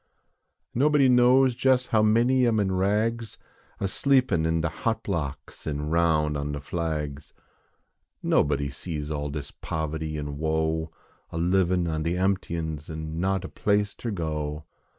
Nobody knows jes how many am in rags, A sleepin in de hot blocks an roun on de flags. Nobody sees all dis poverty an woe, A livin on de emptyins an not a place ter go.